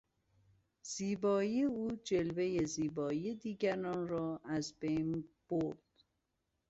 زیبایی او جلوهی زیبایی دیگران را از بین برد.